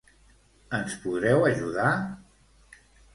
Ens podreu ajudar?